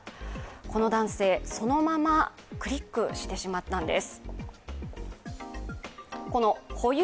この男性、そのままクリックしてしまったんです。